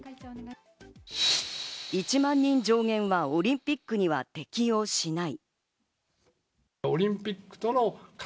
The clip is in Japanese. １万人上限はオリンピックには適用しない。